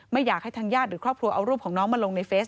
ไม่อยากให้ทางญาติหรือครอบครัวเอารูปของน้องมาลงในเฟซ